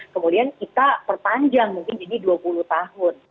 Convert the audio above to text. kemudian kita perpanjang mungkin jadi dua puluh tahun